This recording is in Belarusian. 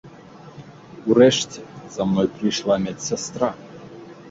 Урэшце, за мной прыйшла медсястра.